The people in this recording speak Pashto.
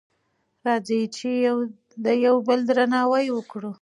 راځئ چې یو بل ته درناوی وکړو.